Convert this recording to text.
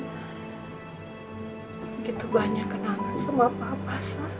begitu banyak kenangan sama papa saya